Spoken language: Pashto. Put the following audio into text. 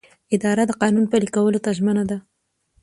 اداره د قانون پلي کولو ته ژمنه ده.